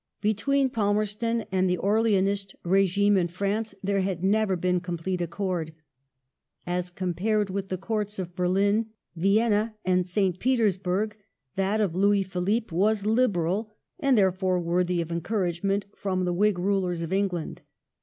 Be tween Palmerston and the Orleanist regime in France there had never been complete accord. As compared with the Courts of Berlin, Vienna, and St. Petersburg that of Louis Philippe was " Liberal," and, therefore, worthy of encouragement from the Whig rulers of England.